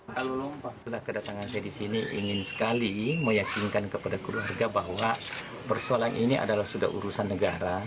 kalau waktulah kedatangan saya di sini ingin sekali meyakinkan kepada keluarga bahwa persoalan ini adalah sudah urusan negara